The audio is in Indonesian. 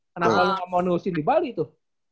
kenapa lu nggak mau nulisin di bali tuh waktu itu